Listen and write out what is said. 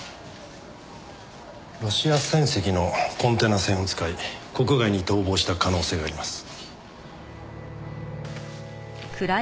ロシア船籍のコンテナ船を使い国外に逃亡した可能性があります。